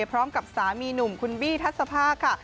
พร้อมกับสามีหนุ่มคุณบี้ทัศภาค่ะ